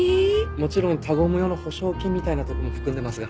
もちろん他言無用の保証金みたいなとこも含んでますが。